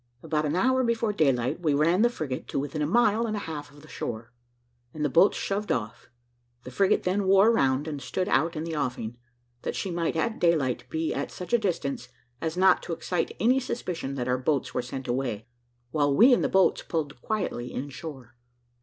About an hour before daylight we ran the frigate to within a mile and a half of the shore, and the boats shoved off; the frigate then wore round, and stood out in the offing, that she might at daylight be at such a distance as not to excite any suspicion that our boats were sent away, while we in the boats pulled quietly in shore.